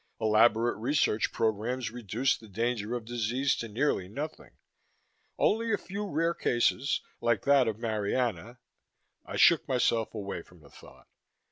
Elaborate research programs reduced the danger of disease to nearly nothing. Only a few rare cases, like that of Marianna.... I shook myself away from the thought.